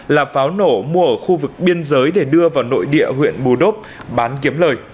là pháo nổ mua ở khu vực biên giới để đưa vào nội địa huyện bù đốp bán kiếm lời